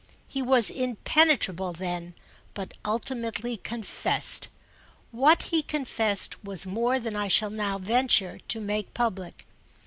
He was impenetrable then, but ultimately confessed. What he confessed was more than I shall now venture to make public.